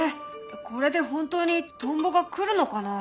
これで本当にトンボが来るのかな？